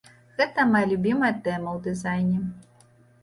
Гэта мая любімая тэма ў дызайне.